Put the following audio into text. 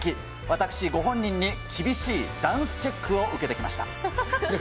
私、ご本人に厳しいダンスチェックを受けてきました。